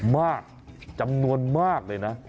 มากจำนวนมากเลยนะ